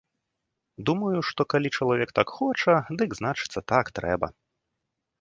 Думаю, што калі чалавек так хоча, дык значыцца, так трэба.